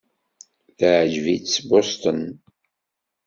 Teɛjeb-itt Boston.